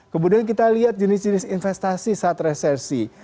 kemudian kita lihat jenis jenis investasi saat resesi